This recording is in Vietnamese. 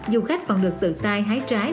du khách còn được tự tay hái trái